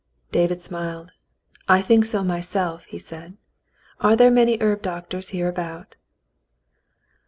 David smiled. "I think so myself," he said. "Are there many herb doctors here about